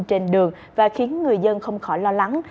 trên đường và khiến người dân không khỏi lo lắng